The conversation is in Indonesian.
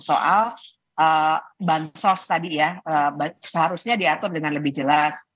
soal bansos tadi ya seharusnya diatur dengan lebih jelas